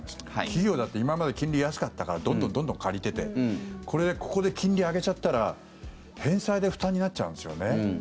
企業だって今まで金利、安かったからどんどんどんどん借りててここで金利上げちゃったら返済で負担になっちゃうんですよね。